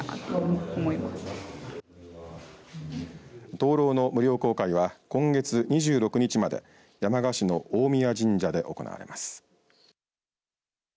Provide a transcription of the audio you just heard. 灯籠の無料公開は今月２６日まで山鹿市の大宮神社で行われます。